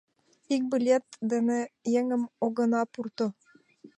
Ик билет дене кок еҥым огына пурто...